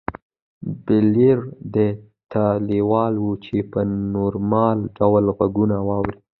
بلییر دې ته لېوال و چې په نورمال ډول غږونه واوري